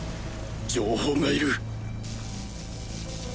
情報がいる